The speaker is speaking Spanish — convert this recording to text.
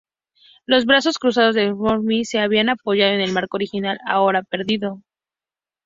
Los brazos cruzados de Arnolfini se habrían apoyado en el marco original, ahora perdido.